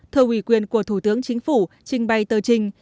thờ ủy quyền của thủ tướng chính phủ trình bày tờ trình